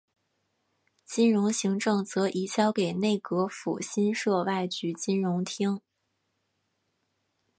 金融行政则移交给内阁府新设外局金融厅。